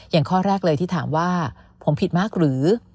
อย่างข้อแรกเลยที่ถามว่าผมผิดมากหรือ